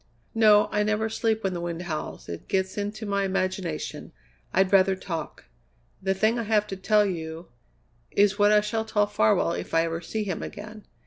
"No. I never sleep when the wind howls; it gets into my imagination. I'd rather talk. The thing I have to tell you is what I shall tell Farwell if I ever see him again.